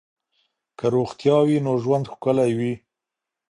که روغتیا وي نو ژوند ښکلی وي.